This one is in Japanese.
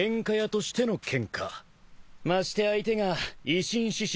まして相手が維新志士